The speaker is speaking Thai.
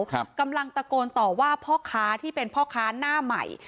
กำลังตะโกนต่อว่าพ่อค้าที่เป็นพ่อค้าหน้าใหม่